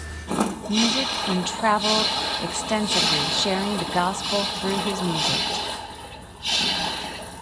Music and traveled extensively sharing the Gospel through his music.